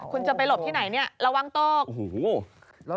คุณจะไปหลบที่ไหนเนี่ยระวังตกโอ้โห